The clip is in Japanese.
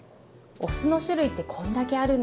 お酢の種類ってこんだけあるんです。